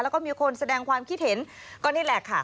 แล้วก็มีคนแสดงความคิดเห็นก็นี่แหละค่ะ